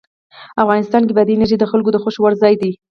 افغانستان کې بادي انرژي د خلکو د خوښې وړ ځای دی.